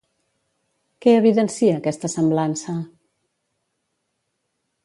Què evidencia aquesta semblança?